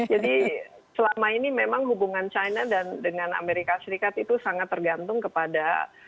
jadi selama ini memang hubungan china dengan amerika serikat itu sangat tergantung kepada china